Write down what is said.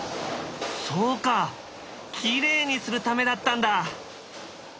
そうかきれいにするためだったんだ。